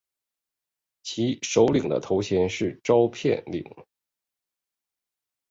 其首领的头衔是召片领。